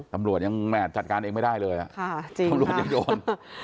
ตำรวจยังแม่จัดการเองไม่ได้เลยตำรวจยังโดน